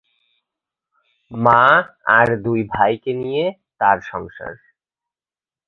মা আর দুই ভাইকে নিয়েই তার সংসার।